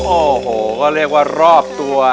โอ้โหก็เรียกว่ารอบตัว